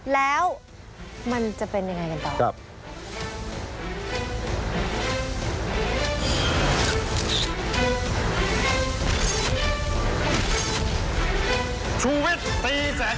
แล้วมันจะเป็นยังไงกันต่อ